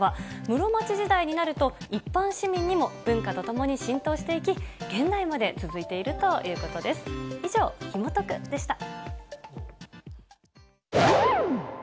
室町時代になると、一般市民にも文化とともに浸透していき、現代まで続いているとい洗濯槽にも潜んでいた。